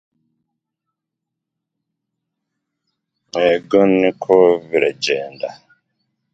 Silver Creek continues to host the "Hampton Phillips Classic" named in their honor.